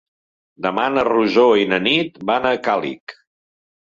Demà na Rosó i na Nit van a Càlig.